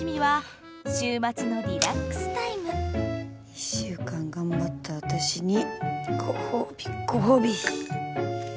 一週間頑張った私にご褒美ご褒美。